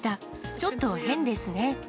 ちょっと変ですね。